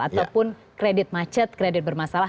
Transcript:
ataupun kredit macet kredit bermasalah